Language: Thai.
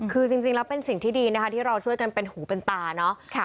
คือจริงแล้วเป็นสิ่งที่ดีนะคะที่เราช่วยกันเป็นหูเป็นตาเนาะ